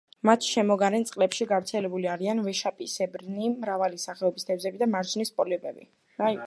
მათ შემოგარენ წყლებში გავრცელებული არიან ვეშაპისებრნი, მრავალი სახეობის თევზები და მარჯნის პოლიპები.